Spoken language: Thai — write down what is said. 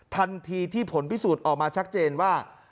ทันทีที่ผลพิสูจน์ออกมาชัดเจนว่า